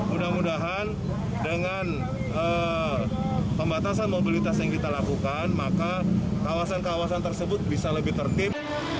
mudah mudahan dengan pembatasan mobilitas yang kita lakukan maka kawasan kawasan tersebut bisa lebih tertib